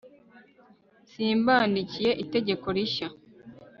simbandikiye itegeko rishya